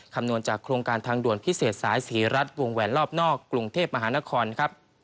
คำนวณจากโครงการทางด่วนพิเศษสายศรีรัฐวงแหวนรอบนอกกรุงเทพมหานครครับ